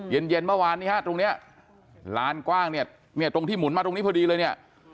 เย็นเมื่อวานนี้ครับตรงนี้ร้านกว้างตรงที่หมุนมาตรงนี้พอดีเลย